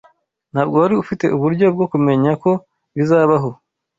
Ntabwo wari ufite uburyo bwo kumenya ko bizabaho.